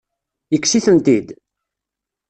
Yekkes-itent-id?